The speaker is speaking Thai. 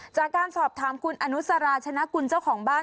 จากการสอบถามคุณอนุสราชนกุลเจ้าของบ้าน